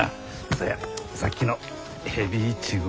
そうやさっきのヘビイチゴはと。